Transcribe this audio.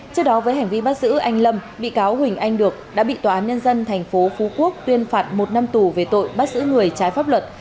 trước đó với hành vi bắt giữ anh lâm bị cáo huỳnh anh được đã bị tòa án nhân dân tp phú quốc tuyên phạt một năm tù về tội bắt giữ người trái pháp luật